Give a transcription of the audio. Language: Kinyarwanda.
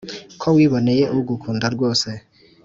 ko wiboneye ugukunda rwose